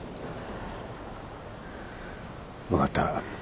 分かった。